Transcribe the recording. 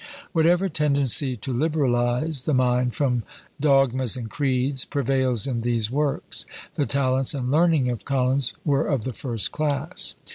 Whatever tendency to "liberalise" the mind from dogmas and creeds prevails in these works, the talents and learning of Collins were of the first class.